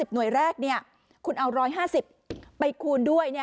หน่วยแรกคุณเอา๑๕๐ไปคูณด้วย